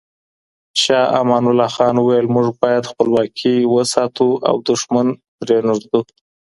شاه امان الله خان وویل، موږ باید خپلواکي ساتو او دښمن نه پرېږدو.